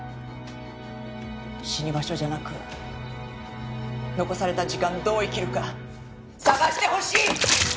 死に場所じゃなく残された時間どう生きるか探してほしい。